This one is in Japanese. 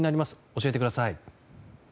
教えてください。